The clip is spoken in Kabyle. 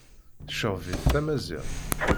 Tceɣɣeb-it tmaziɣt.